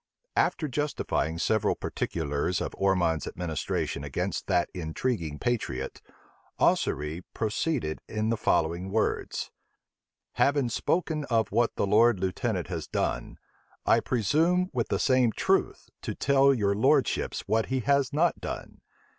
After justifying several particulars of Ormond's administration against that intriguing patriot, Ossory proceeded in the following words: "Having spoken of what the lord lieutenant has done, I presume with the same truth to tell your lordships what he has not done.